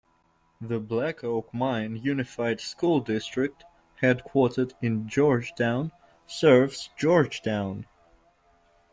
The Black Oak Mine Unified School District, headquartered in Georgetown, serves Georgetown.